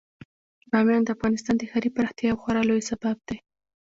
بامیان د افغانستان د ښاري پراختیا یو خورا لوی سبب دی.